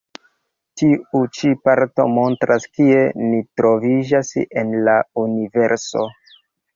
Tiu ĉi parto montras kie ni troviĝas en la Universo.